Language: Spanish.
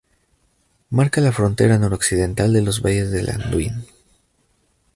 Marca la frontera noroccidental de los Valles del Anduin.